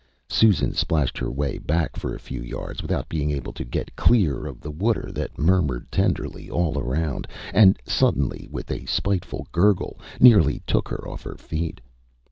Susan splashed her way back for a few yards without being able to get clear of the water that murmured tenderly all around and, suddenly, with a spiteful gurgle, nearly took her off her feet.